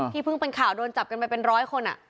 เพิ่งเป็นข่าวโดนจับกันไปเป็นร้อยคน